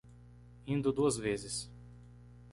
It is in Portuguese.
Indo duas vezes